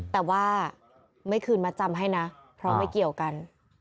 แต่ว่าไม่คืนมาจำให้นะเพราะไม่เกี่ยวกัน